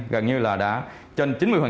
gần như là đã trên chín mươi